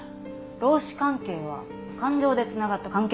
労使関係は感情でつながった関係なんかじゃない。